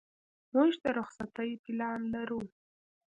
موږ د رخصتۍ پلان لرو.